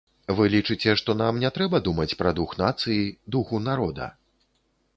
Вы лічыце, што нам не трэба думаць пра дух нацыі, духу народа?